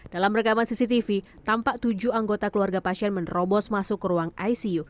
dalam rekaman cctv tampak tujuh anggota keluarga pasien menerobos masuk ke ruang icu